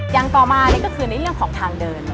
อย่างต่อมานี่ก็คือในเรื่องของทางเดิน